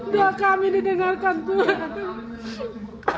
doa kami didengarkan tuhan